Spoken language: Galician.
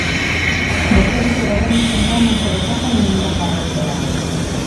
Vostedes e o Goberno central non se decatan ou miran para outro lado.